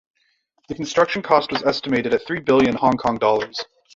The construction cost was estimated at three billion Hong Kong dollars.